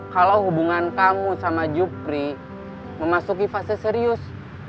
kalau hubungan kamu sama jupri memasuki fase serius